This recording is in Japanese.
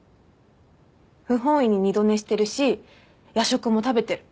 不本意に二度寝してるし夜食も食べてる。